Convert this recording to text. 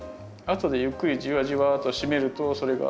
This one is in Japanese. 後でゆっくりじわじわとしめるとそれが。